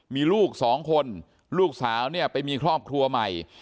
มีลูกสองคนลูกสาวเนี่ยไปมีครอบครัวใหม่